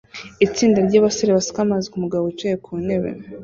Itsinda ryabasore basuka amazi kumugabo wicaye ku ntebe